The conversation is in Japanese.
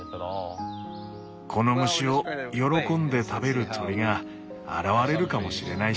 この虫を喜んで食べる鳥が現れるかもしれないし。